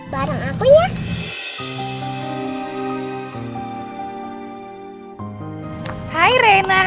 saya pengen biget up scriptures nih